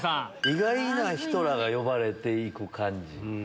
意外な人らが呼ばれて行く感じ。